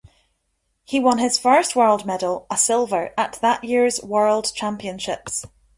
He won his first World medal, a silver, at that year's World Championships.